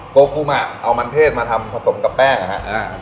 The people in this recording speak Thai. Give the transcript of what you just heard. โกกุมาเอามันเทศมาทำผสมกับแป้งนะครับ